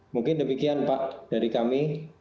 mungkin demikian pak dari kami